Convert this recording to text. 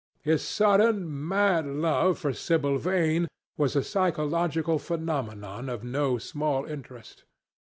His sudden mad love for Sibyl Vane was a psychological phenomenon of no small interest.